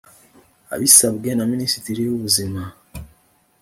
abisabwe na minisitiri w ubuzima